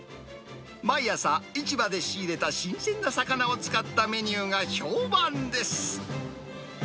毎朝、市場で仕入れた新鮮な魚を使ったメニューが評判です。